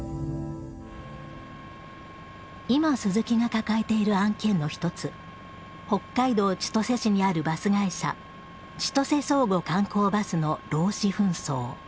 今鈴木が抱えている案件の一つ北海道千歳市にあるバス会社千歳相互観光バスの労使紛争。